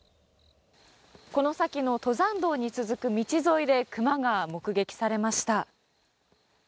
この先の登山道に続く道沿いで熊が目撃されました。